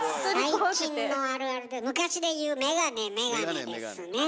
最近のあるあるで昔で言う「眼鏡眼鏡」ですねえ。